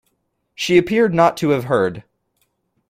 She appeared not to have heard.